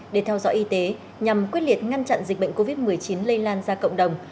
để theo dõi y tế nhằm quyết liệt ngăn chặn dịch bệnh covid một mươi chín lây lan ra cộng đồng